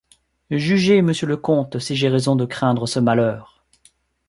Jugez, monsieur le comte, si j’ai raison de craindre ce malheur.